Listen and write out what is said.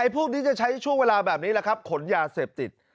พวกนี้จะใช้ช่วงเวลาแบบนี้แหละครับขนยาเสพติด